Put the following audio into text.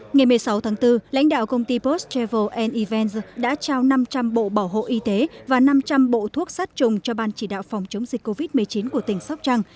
ngày một mươi sáu tháng bốn lãnh đạo công ty post travel events đã trao năm trăm linh bộ bảo hộ y tế và năm trăm linh bộ thuốc sát trùng cho ban chỉ đạo phòng chống dịch covid một mươi chín của tỉnh sóc trăng